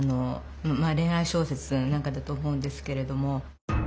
まあれん愛小説なんかだと思うんですけれども。